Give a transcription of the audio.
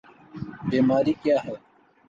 بیماری کیا ہے؟